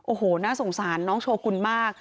โอ้โหน่าสงสารน้องโชกุลมาก